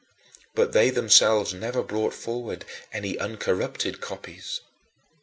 But they themselves never brought forward any uncorrupted copies.